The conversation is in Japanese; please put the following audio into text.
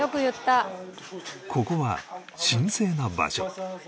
ここは神聖な場所